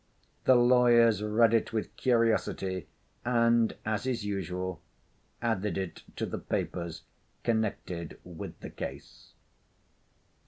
The lawyers read it with curiosity, and, as is usual, added it to the papers connected with the case.